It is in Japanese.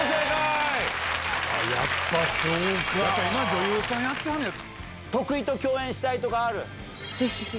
女優さんやってはるんや。